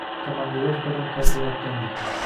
Komandirovkadan qaytayotgandik.